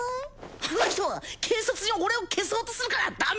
あの人は軽率に俺を消そうとするからダメ！